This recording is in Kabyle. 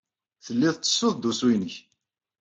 Tellid tettessud-d usu-nnek.